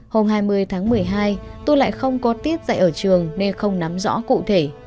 hôm hai mươi tháng một mươi hai tôi lại không có tiết dạy ở trường nên không nắm rõ cụ thể